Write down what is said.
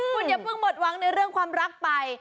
คุณอย่าเพิ่งหมดหวังในเรื่องความรักไป